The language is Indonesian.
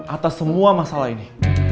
atas semua masalah ini